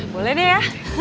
boleh deh ya